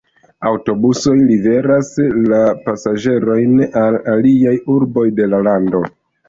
Aŭtobusoj liveras la pasaĝerojn al aliaj urboj de la lando.